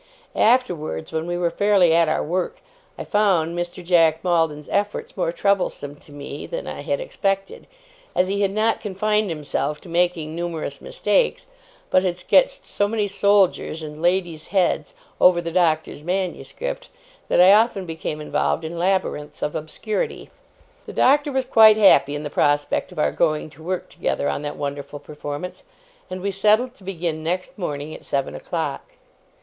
Afterwards, when we were fairly at our work, I found Mr. Jack Maldon's efforts more troublesome to me than I had expected, as he had not confined himself to making numerous mistakes, but had sketched so many soldiers, and ladies' heads, over the Doctor's manuscript, that I often became involved in labyrinths of obscurity. The Doctor was quite happy in the prospect of our going to work together on that wonderful performance, and we settled to begin next morning at seven o'clock.